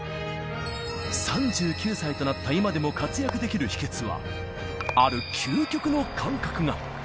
３９歳となった今でも活躍できる秘けつは、ある究極の感覚が。